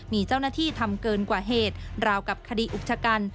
มีเจ้าหน้าที่ทำเกินกว่าเหตุราวกับคดีอุกชะกัน